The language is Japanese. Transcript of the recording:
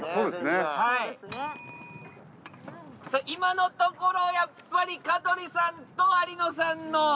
今のところやっぱり香取さんとありのさんの。